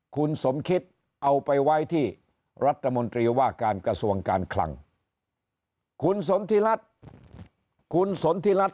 คุณสมคิตเอาไปไว้ที่รัฐมนตรีว่าการกระทรวงการคลังคุณสนทิรัฐคุณสนทิรัฐ